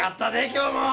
今日も。